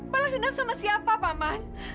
balas dendam sama siapa paman